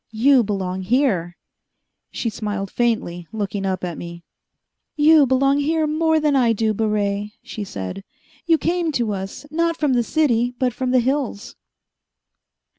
You belong here." She smiled faintly, looking up at me. "You belong here more than I do, Baret," she said. "You came to us, not from the city, but from the hills."